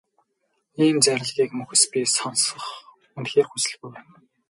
Ийм зарлигийг мөхөс би сонсох үнэхээр хүсэлгүй байна.